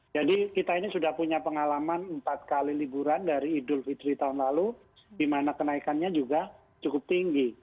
jadi kita ini sudah punya pengalaman empat kali liburan dari idul fitri tahun lalu di mana kenaikannya juga cukup tinggi